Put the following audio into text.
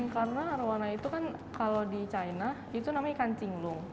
karena arowana itu kan kalau di china itu namanya ikan cinglung